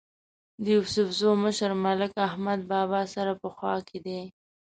د یوسفزو مشر ملک احمد بابا سره په خوا کې دی.